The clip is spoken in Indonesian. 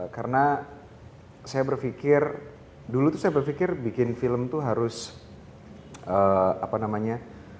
karena saya berpikir dulu saya berpikir bikin film itu harus apa namanya